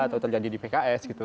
atau terjadi di pks gitu